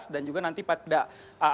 dan juga nanti patimu akan datang ke sini